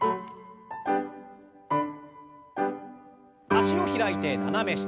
脚を開いて斜め下。